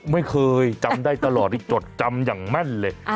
ไม่เคยจำได้ตลอดที่จดจำอย่างแม่นเลย